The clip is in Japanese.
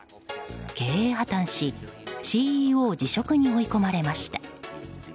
経営破綻しＣＥＯ辞職に追い込まれました。